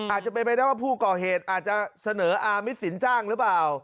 อาจจะเป็นไปได้ว่าผู้ก่อเหตุอาจจะเสนออามิตสินจ้างหรือเปล่า